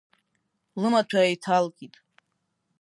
Лымаҭәа еиҭалкит.